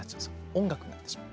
音楽になってしまう。